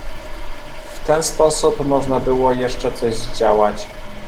"W ten sposób można było jeszcze coś zdziałać."